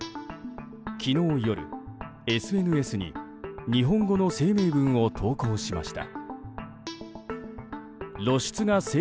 昨日夜、ＳＮＳに日本語の声明文を投稿しました。